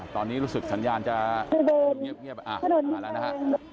ตอนนี้รู้สึกสัญญาณจะเงียบมาแล้วนะฮะ